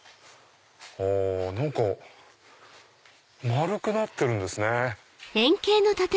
あ何か丸くなってるんですね。